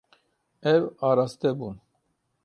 Ew araste bûn.